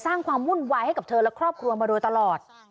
ความวุ่นวายให้กับเธอและครอบครัวมาโดยตลอด